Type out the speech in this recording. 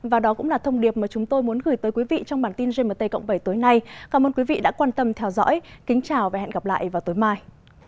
và đó cũng là thông điệp mà chúng tôi muốn gửi tới quý vị trong bản tin gmt cộng bảy tối nay cảm ơn quý vị đã quan tâm theo dõi kính chào và hẹn gặp lại vào tối mai